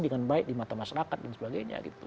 dengan baik di mata masyarakat dan sebagainya